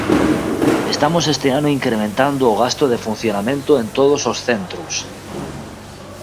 Estamos este ano incrementando o gasto de funcionamento en todos os centros.